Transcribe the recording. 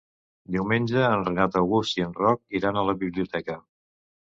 Diumenge en Renat August i en Roc iran a la biblioteca.